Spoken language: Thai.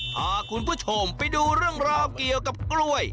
พาคุณผู้ชมไปดูเรื่องราวเกี่ยวกับกล้วย